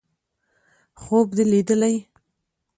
_خوب دې ليدلی!